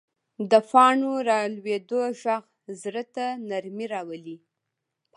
د پاڼو رالوېدو غږ زړه ته نرمي راولي